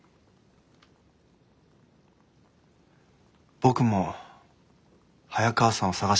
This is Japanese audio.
僕も早川さんを探してました。